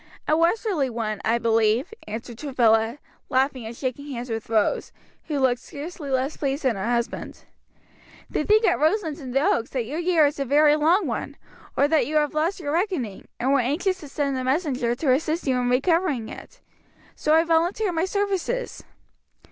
"A westerly one, I believe," answered Travilla, laughing and shaking hands with Rose, who looked scarcely less pleased than her husband. "They think at Roselands and the Oaks that your year is a very long one, or that you have lost your reckoning, and were anxious to send a messenger to assist you in recovering it; so I volunteered my services."